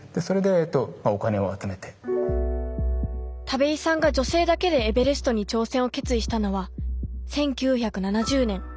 田部井さんが女性だけでエベレストに挑戦を決意したのは１９７０年。